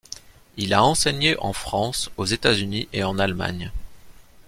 Il a enseigné en France, aux États-Unis et en Allemagne.